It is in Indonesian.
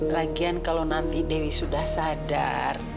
lagian kalau nanti dewi sudah sadar